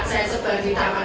saya sebagi tamar